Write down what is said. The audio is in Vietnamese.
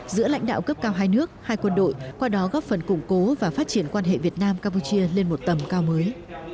giữa lãnh đạo cấp cao hai nước hai quân đội qua đó góp phần củng cố và phát triển quan hệ việt nam campuchia lên một tầm cao mới